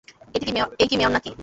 এই কি মেয়র নাকি?